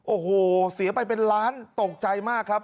โอ้โหเสียไปเป็นล้านตกใจมากครับ